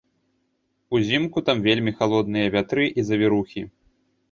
Узімку там вельмі халодныя вятры і завірухі.